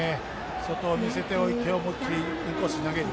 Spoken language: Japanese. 外を見せておいて思いっきりインコースに投げる。